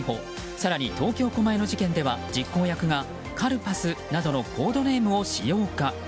更に、東京・狛江の事件では実行役が、カルパスなどのコードネームを使用か。